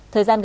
thời gian gần